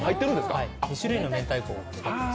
２種類の明太子を使っています。